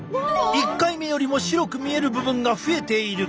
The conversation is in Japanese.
１回目よりも白く見える部分が増えている。